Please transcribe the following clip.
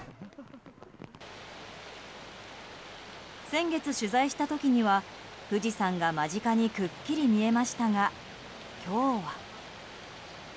先月、取材した時には富士山が間近にくっきり見えましたが今日は。